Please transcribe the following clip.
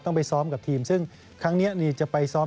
ไปซ้อมกับทีมซึ่งครั้งนี้จะไปซ้อม